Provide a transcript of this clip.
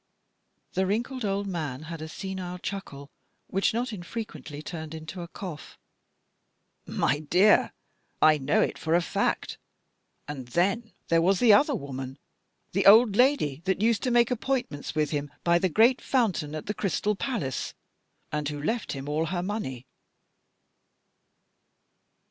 The wrinkled old man had a senile chuckle, which not infrequently turned into a cough. " He, he, my dear lady ! I know it for a fact. And then there was the other woman. The old lady that used to make appointments with him by the great fountain at the Crystal Palace "" And who left him all her money."